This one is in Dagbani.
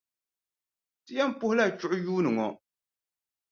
Ti yɛn puhila chuɣu yuuni ŋɔ.